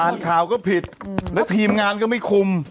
อ่านข่าวก็ผิดแล้วทีมงานก็ไม่คุม